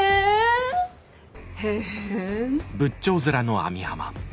へえ。